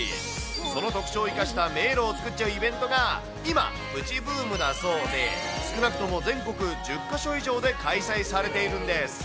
その特徴を生かした迷路を造っちゃうイベントが今、プチブームだそうで、少なくとも全国１０か所以上で開催されているんです。